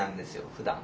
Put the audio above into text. ふだん。